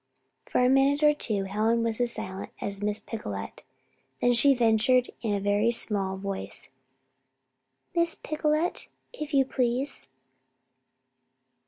For a minute or two Helen was as silent as Miss Picolet; then she ventured in a very small voice: "Miss Picolet if you please?"